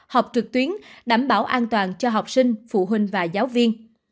học trực tuyến đảm bảo an toàn cho học sinh phụ huynh và giáo viên